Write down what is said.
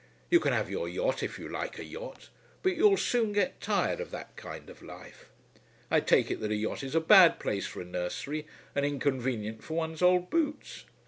You can have your yacht if you like a yacht, but you'll soon get tired of that kind of life. I take it that a yacht is a bad place for a nursery, and inconvenient for one's old boots.